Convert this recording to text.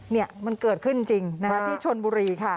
นี่มันเกิดขึ้นจริงที่ชนบุรีค่ะ